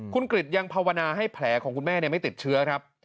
คุณกริจยังภาวนาให้แผลของคุณแม่ไม่ติดเชื้อครับ